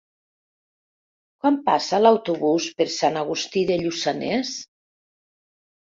Quan passa l'autobús per Sant Agustí de Lluçanès?